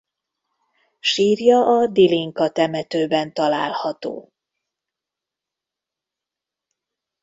Sírja a Dilinka temetőben található.